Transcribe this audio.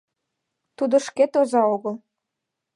Тудо шкет оза огыл.